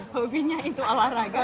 hobinya itu olahraga